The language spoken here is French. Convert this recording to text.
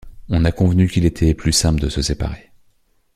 On a convenu qu'il était plus simple de se séparer.